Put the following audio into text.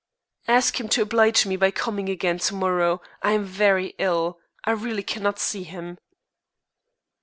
"Ask him to oblige me by coming again to morrow. I am very ill. I really cannot see him."